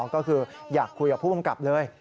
ก็คืออยากคุยกับผู้กำกับเลย